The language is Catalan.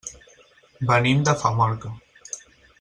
Venim de Famorca.